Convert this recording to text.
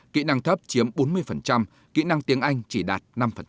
kỹ năng thấp chiếm bốn mươi kỹ năng tiếng anh chỉ đạt năm